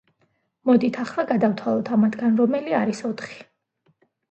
მოდით, ახლა გადავთვალოთ ამათგან რომელი არის ოთხი?